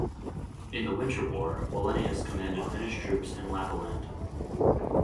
In the Winter War Wallenius commanded Finnish troops in Lapland.